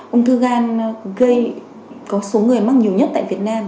ung thư gan gây có số người mắc nhiều nhất tại việt nam